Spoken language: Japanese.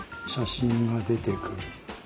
写真が出てくる。